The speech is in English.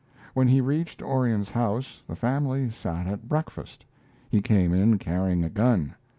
When he reached Orion's house the family sat at breakfast. He came in carrying a gun.